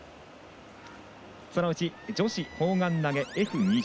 そのうち、女子砲丸投げＦ２０。